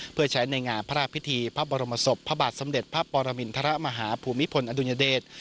เพื่อใช้ในงานพระราชพิธีพระบรมศพพระบาทสมเด็จพระปรมินทรมาฮาภูมิพลอดุญเดช